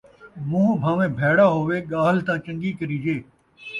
مون٘ہہ بھان٘ویں بھیڑا ہووے ڳالھ تاں چن٘ڳی کریجے